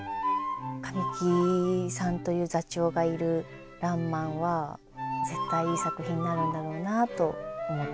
神木さんという座長がいる「らんまん」は絶対いい作品になるんだろうなと思っています。